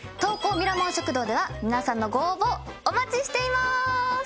ミラモン食堂では皆さんのご応募お待ちしています。